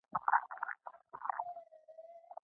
که مې خبر کړي وای په اوونیو به نه پرېښودو.